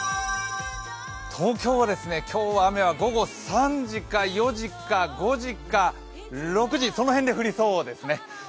東京は今日、雨は午後３時か４時か５時か６時、その辺で降りそうですね